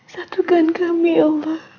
satukan kami ya allah